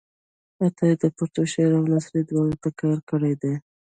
عطایي د پښتو شاعرۍ او نثر دواړو ته کار کړی دی.